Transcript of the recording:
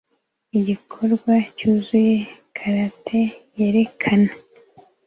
Igikorwa cyuzuye karate yerekana